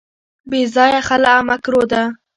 بې ځایه خلع مکروه ده.